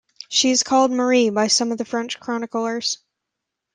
She is called Marie by some of the French chroniclers.